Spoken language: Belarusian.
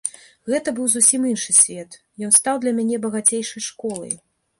Гэта быў зусім іншы свет, ён стаў для мяне багацейшай школай.